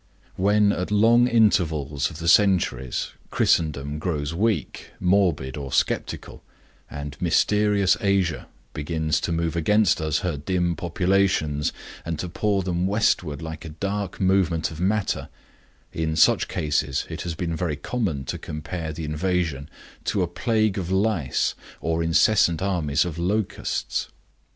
When at long intervals of the centuries Christendom grows weak, morbid or skeptical, and mysterious Asia begins to move against us her dim populations and to pour them westward like a dark movement of matter, in such cases it has been very common to compare the invasion to a plague of lice or incessant armies of locusts.